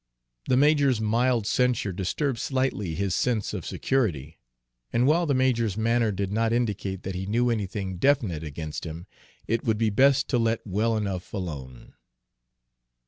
The major's mild censure disturbed slightly his sense of security; and while the major's manner did not indicate that he knew anything definite against him, it would be best to let well enough alone.